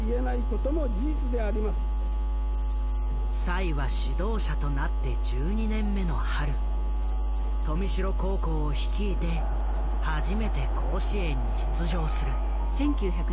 栽は指導者となって１２年目の春豊見城高校を率いて初めて甲子園に出場する。